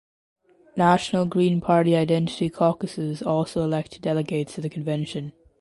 National Green Party Identity Caucuses also elect delegates to the convention.